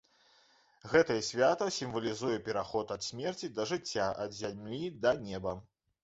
Гэтае свята сімвалізуе пераход ад смерці да жыцця, ад зямлі да неба.